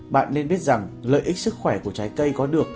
bạn nên biết rằng lợi ích sức khỏe của trái cây có được